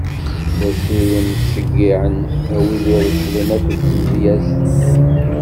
D asirem tettceyyiɛem a wid ireclen akked tmedyezt.